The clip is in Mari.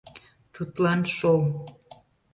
— Тудлан шол.